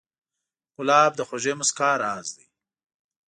ګلاب د خوږې موسکا راز دی.